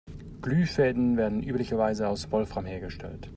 Glühfäden werden üblicherweise aus Wolfram hergestellt.